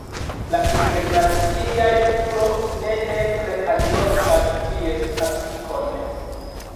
La internacia juro ne nepre agnoskas ties aplikon.